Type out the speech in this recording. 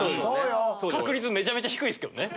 確率めちゃめちゃ低いっすけど。